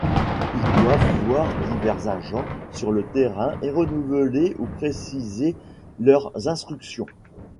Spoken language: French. Ils doivent voir divers agents sur le terrain et renouveler ou préciser leurs instructions.